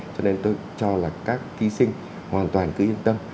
cho nên tôi cho là các thí sinh hoàn toàn cứ yên tâm